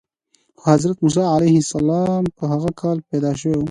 خو حضرت موسی علیه السلام په هغه کال پیدا شو.